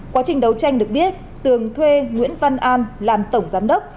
quá trình đấu tranh được biết tường thuê nguyễn văn an làm tổng giám đốc